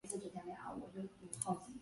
珙县芙蓉矿区是四川省重要的煤田。